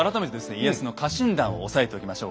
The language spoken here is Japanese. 家康の家臣団を押さえておきましょう。